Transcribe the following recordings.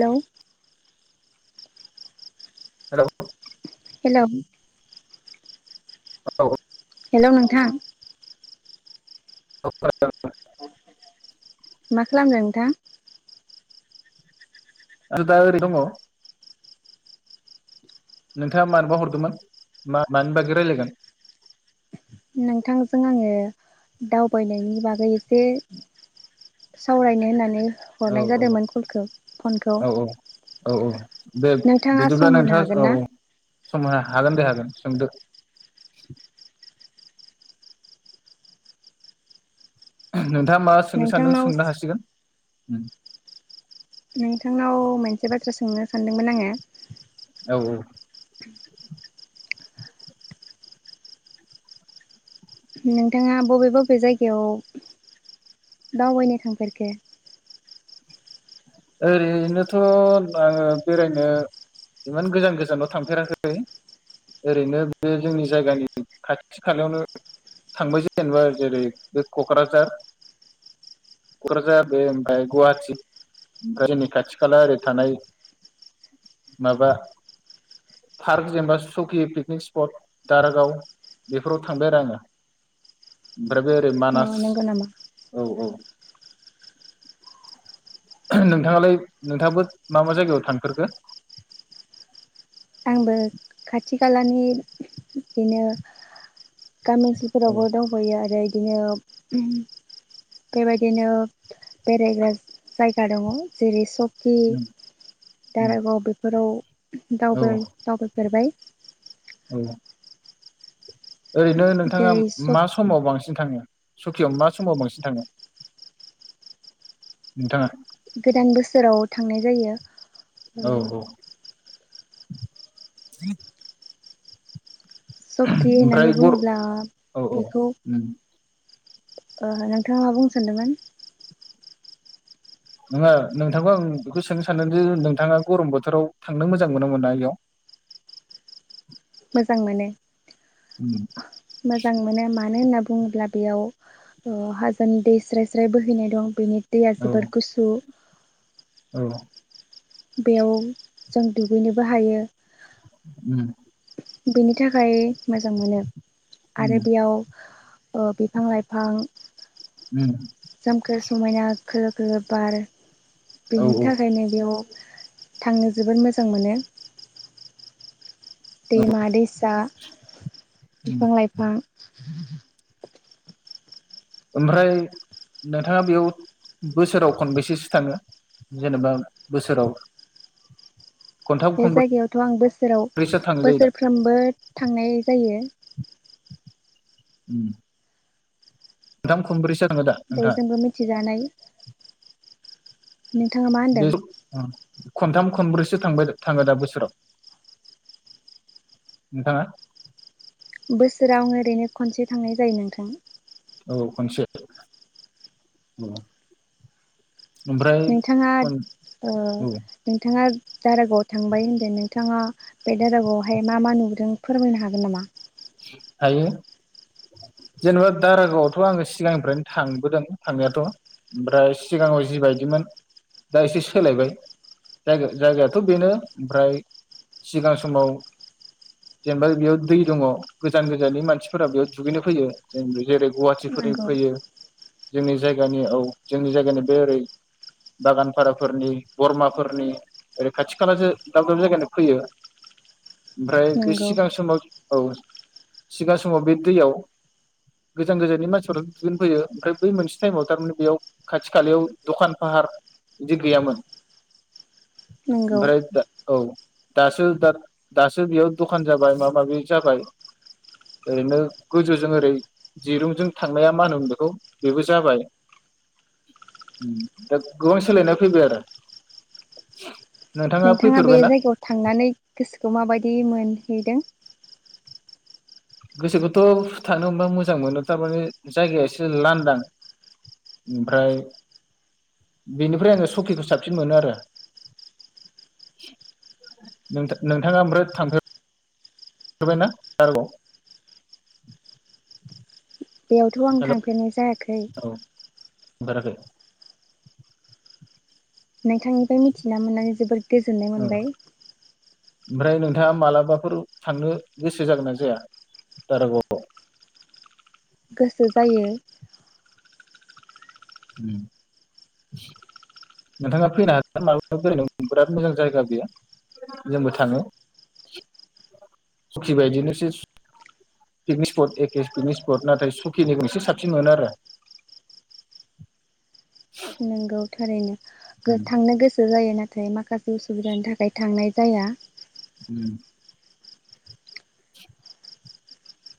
हेल' hello hello औ hello नोंथां? [unintelligible] मा खालामदों नोंथां? आं दा ओरिनो दङ। नोंथाङा मानोबा हरदोंमोन मा मानि बागै रायलायगोन? नोंथांजों आङो दावबायनायनि बागै एसे सावरायनो होननानै औ हरनाय औ जादोंमोन कलखौ पनखौ। औ-औ दे बिदिब्ला नोंथां हागोन ना औ, सम होनो हागोन दे हागोन सोंदो। [unintelligible] नोंथाङा मा सोंनो सानदों नोंथांनाव सोंनो हासिगोन। उम नोंथांनाव मोनसे बाथ्रा सोंनो सानदोंमोन आङो। औ-औ नोंथाङा बबे बबे जायगायाव दावबायनो थांफेरखो? ओरैनोथ' आङो बेरायनो इमान गोजान- गोजानाव थांफेराखै ओरैनो बे जोंनि जायगानि खाथि खालायावनो थांबाय जेनेबा जेरै बे क'क्राझार- क'क्राझार बे ओमफाय गुवाहाटि। ओमफ्राय जोंनि खाथि खाला ओरै थानाय माबा पार्क जेनेबा सकि पिकनिक स्पट दारागाव बेफोराव थांबाय आरो आङो ओमफ्राय बे ओरै मानास अ नंगौ नामा औ-औ नोंथाङालाय नोंथाङाबो मा मा जायगायाव थांफेरखो? आंबो खाथि खालानि बिदिनो गामि ओनसोलफोरावबो औ दावबायो आरो बिदिनो उम बेबायदिनो बेरायग्रा जायगा दङ जेरै स खि उम उम दारागाव बेफोराव औ दावबाय थांफेरबाय। औ ओरैनो नोंथाङा जेरै मा सक समाव बांसिन थाङो? सकियाव मा समाव बांसिन थाङो नोंथाङा? गोदान बोसोराव थांनाय जायो। ओ औ-औ [inaudible] सकि होननानै गर बुङोब्ला औ औ बेखौ उम ओ नोंथाङा मा बुं सानदोंमोन? नङा नोंथांखौ आं बेखौ सोंनो सानदों दि नोंथाङा गरम बोथोराव थांनो मोजां मोनो मोनना इयाव? मोजां मोनो मोजां मोनो मा मानो होनना बुङोब्ला बेयाव ओ हाजोनि दै स्राय स्राय बोहैनाय दं बेनि दैया औ जोबोर गुसु। औ बेयाव जों दुगैनोबो हायो उम। बेनि थाखाय मोजां मोनो आरो उम बेयाव ओ बिफां लाइफां उम। सोमखोर समायना खोलो खोलो बार औ बेनि औ थाखायनो बेयाव थांनो जोबोद मोजां मोनो दैमा दैसा उम बिफां लाइफां। [inaudible] ओमफ्राय नोंथाङा बेयाव बोसोराव खनबेसेसो थाङो जेनेबा बोसोराव खनथाम बे जायगायावथ' आं बोसोराव खनब्रैसो थाङो जायो दा बोसोरफ्रोमबो थांनाय जायो। खनथाम खनब्रैसो थाङो दा नोंथाङा बयजोंबो मिथिजानाय नोंथाङा मा बे होनदों? खनथाम खनब्रैसो थांबाय थाङो दा बोसोराव नोंथाङा? बोसोराव आम ओरैनो खनसे थांनाय जायो नोंथां। औ खनसे औ। नोंथाङा ओ औ नोंथाङा दारागावआव थांबाय होनदों नोंथाङा बे दारागावआवहाय मा मा नुबोदों फोरमायनो हागोन नामा? हायो जेनेबा दारागावआवथ' आङो सिगांनिफ्रायनो थांबोदों थांनायाथ'। ओमफ्राय सिगाङाव जि बायदिमोन दा एसे सोलायबाय जा जायगायाथ' बेनो ओमफ्राय सिगां समाव जेनेबा बेयाव दै दङ गोजान गोजाननि मानसिफोरा बेयाव दुगैनो फैयो जों जेरै गुवाहाटिफोरनि नंगौ फैयो जोंनि जायगानि औ जोंनि जायगानि बे ओरै बागानफाराफोरनि बरमाफोरनि ओरै खाथि खाला दाब दाब जायगानि फैयो। ओमफ्राय बे नंगौ सिगां समाव औ। सिगां समाव बे दैयाव गोजान गोजाननि मानसिफोराथ' दुगैनो फैयो ओमफ्राय बै मोनसे टाइमाव थार माने बेयाव खाथि खालायाव दखान फाहार बिदि गैयामोन। नंगौ ओमफ्राय दा औ दासो दासो बेयाव दखान जाबाय माबा माबि जाबाय। ओरैनो गोजौजों ओरै दिरुंजों थांनाया मा होनोमोन बेखौ बेबो जाबाय दा गोबां सोलायनाय फैबाय आरो। नोंथाङा बे जायगायाव थांनानै गोसोखौ माबायदि मोन हैदों? गोसोखौथ' थांनो मोनबा मोजां मोनो थार माने जायगाया एसे लांदां ओमफ्राय बेनिफ्राय आङो सकिखौ साबसिन मोनो आरो नोंथाङा ओमफ्राय थांफेर बाय ना दारागाआव? बेयावथ' आं थांफेरनाय जायाखै। थांफेराखै। नोंथांनिफ्राय मिथिना मोननानै जोबोर गोजोननाय मोनबाय। ओमफ्राय नोंथाङा मालाबाफोर थांनो गोसो जागोनना जाया दारागावआव गोसो जायो। उम नोंथाङा फैनो हागोन [unintelligible] बिराद मोजां जायगा बेयो जोंबो थाङो सकि बायदिनो [unintelligible] पिकनिक स्पट एखे पिकनिक स्पट नाथाय सकिनिख्रुय एसे साबसिन मोनो आरो [inaudible] नंगौ थारैनो गो-थांनो गोसो जायो ना थाय माखासे उसुबिदानि थाखाय थांनाय जाया। उम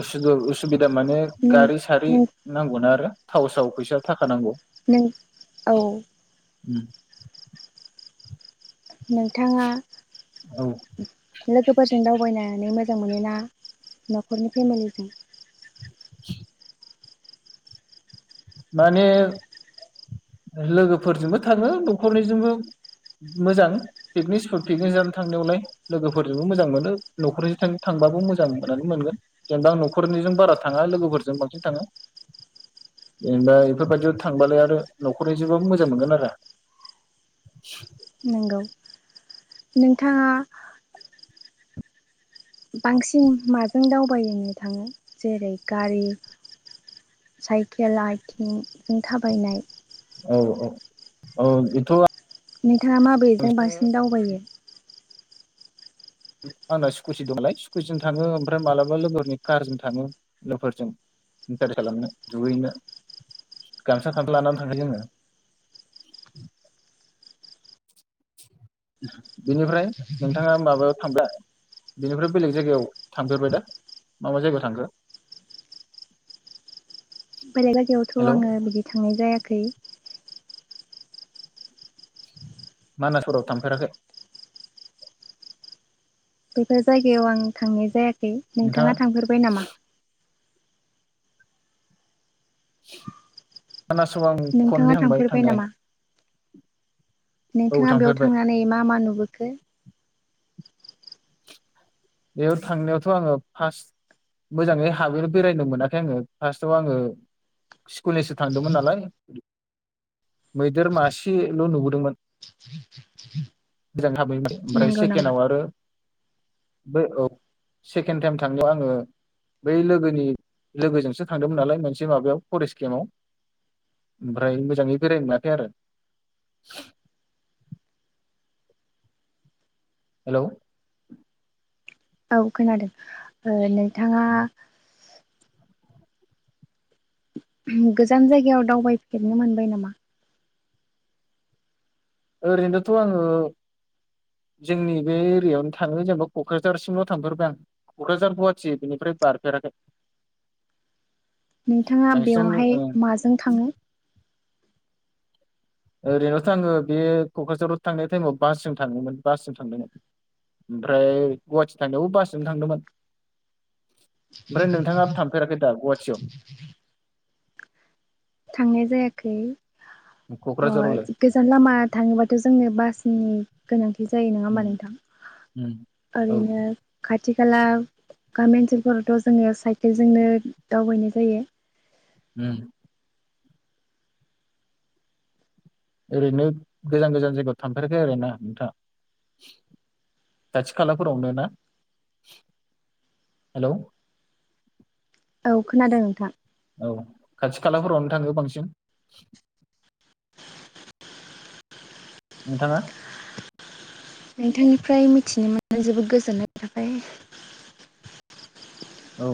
उसु दु उसुबि दा माने नों गारि सारि नों नांगौना आरो थाव साव फैसा था नों औ उम नोंथाङा औ लोगोफोरजों दावबायनानै मो जां मोनोना न'खरनि फेमिलिजों [inaudible] माने लोगोफोरजोंबो थाङो न'खरनिजोंबो मोजां पिकनिक स्पट पिकनिक जानो थांनायावलाय लोगोफोरजोंबो मोजां मोनो न'खरनिजों थां थांबाबो मोजां मोननानै मोनगोन जेनेबा न'खरनिजों बारा थाङा लोगोफोरजों बांसिन थाङो जेनेबा बेफोरबायदियाव थांबालाय आरो न'खरनिजोंबाबो मोजां मोनगोन आरो नंगौ नोंथाङा बांसिन माजों दावबायनो थाङो जेरै गारि साइकेल आथिंजों थाबायनाय औ औ औ बेथ' नोंथाङा माबेजों बांसिन आं दावबायो। आंना स्कुटि दं नालाय स्कुटिजों थाङो ओमफ्राय मालाबा लोगोफोरनि कारजों थाङो लोगोफोरजों इन्टारेस्ट खालामनो दुगैनो गामसा खाट लानानै थाङो जोङो। बिनिफ्राय नोंथाङा माबायाव थांबाय बिनिफ्राय बेलेग जायगायाव थांफेरबाय दा मा मा जायगायाव थांखो। बेलेग जायगायावथ' हेलौ आङो बिदि थांनाय जाया खै मानासफोराव थांफेराखै बेफोर जायगायाव आं थांनाय जाया खै नोंथाङा थांफेरबाय नामा? [inaudible] मानासाव आं खननै नोंथाङा थांबाय थांफेरबाय थांनाया नामा औ नोंथाङा बेयाव थांफेरबाय थांनानै मा मा नुबोखो। बेयाव थांनायावथ' आङो फार्स्ट मोजाङै हाबैनो बेरायनो मोनाखै आङो फार्स्टआव आङो स्कुलनिसो थांदोंमोन नालाय मैदेर मासेल' नुबोदोंमोन मोजां हाब बाखै ओमफ्राय नंगौ नामा सेकेनाव आरो बो औ सेकेणड टाइम थांनायाव आङो बै लोगोनि लोगोजोंसो थांदोंमोन नालाय मोनसे माबायाव फरेस्ट केम्पआव ओमफ्राय मोजाङै बेरायनो मोनाखै आरो। हेलौ औ खोनादों ओ नोंथाङा गोजान जायगायाव दावबायफेरनो मोनबाय नामा? ओरैनोथ आङो जोंनि बे एरियायावनो थाङो जेनेबा कक्राझारसिमल' थांफेरबाय आं कक्राझार गुवाहाटि बेनिफ्राय बारफेराखै। नोंथाङा बांसिनानो बेवहाय ओ माजों थाङो? ओरैनोथ' आङो बे कक्राझाराव थांनाय टाइमाव बासजों थाङोमोन बासजों थांदोंमोन ओमफ्राय गुवाहाटि थांनायावबो बासजोंनो थांदोंमोन। ओमफ्राय नोंथाङा थांफेराखै दा गुवाहाटियाव? थांनाय जायाखै। अ क'क्राझारावलाय गोजान लामा थाङोबाथ' जोंनि बासनि गोनां थि जायो नङा होमा उम नोंथां उम औ ओरैनो खाथि खाला गामि ओनसोलफोरावथ' जोङो साइकेलजोंनो दावबायनाय जायो। उम। ओरैनो गोजान गोजान जायगायाव थांफेराखै आरो ना नोंथां खाथि खालाफोरावनो ना हेलौ। औ खोनादों नोंथां। औ खाथि खालाफोरावनो थाङो बांसिन। नोंथाङा? नोंथांनिफ्राय मिथिनो मोनना जोबोद गोजोननाय थाबाय। औ।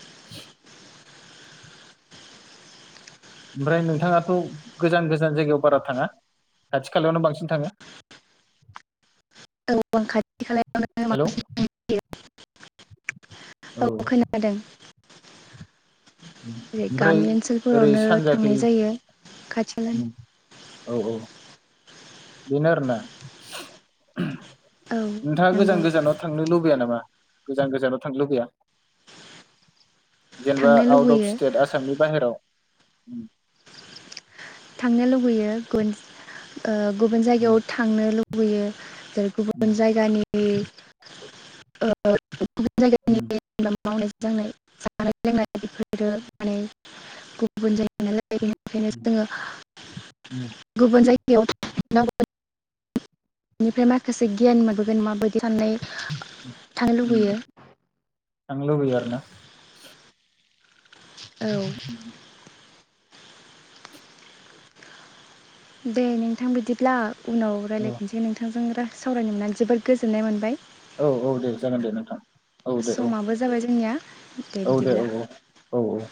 [inaudible] ओमफ्राय नोंथाङाथ' गोजान गोजान जायगायाव बारा थाङा खाथि खालायावनो बांसिन थाङो। ओं खाथि खालायावनो हेलौ बांसिन थांनाय जायो। औ खोनादों। ओरै ओमफ्राय गामि ओरै ओनसोलफोरावनो सानजाखै थांनाय जायो खाथि खालानि उम, औ औ। बिनो आरोना। औ नोंथाङा नंगौ गोजान गोजानाव थांनो लुबैया नामा? गोजान गोजानाव थांनो लुबैया? जेनेबा थांनो आउट अफ लुबैयो स्टेट आसामनि बाहेराव। उम थांनो लुबैयो ओ। गुबुन जायगायाव उम थांनो लु लुबैयो। गुबुन उम जायगानि [unintelligible] [unintelligible] उम मावनाय दांनाय जानाय लोंनाय बेफोरो माने गुबुन जायो नालाय। [unintelligible] उम। गुबुन जायगायाव [unintelligible] बेनिफ्राय माखासे गियान मोनबोगोन माबायदि साननाय उम थानो उम लुबैयो। थांनो लुगैयो आरो ना? औ दे नोंथां बिदिब्ला उनाव औ रायलायफिनसै नोंथांजों रा सावरायनो मोननानै जोबोद गोजोननाय मोनबाय। औ औ दे जागोन दे नोंथां औ दे औ समाबो जाबाय जोंनिया औ दे औ औ औ औ